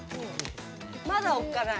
まだおっかない。